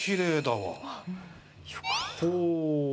ほう。